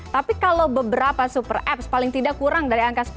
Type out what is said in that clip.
tapi kalau beberapa super apps paling tidak kurang dari angka sepuluh